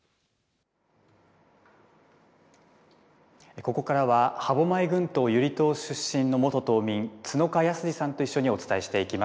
ここからは、歯舞群島勇留島出身の元島民、角鹿泰司さんと一緒にお伝えしていきます。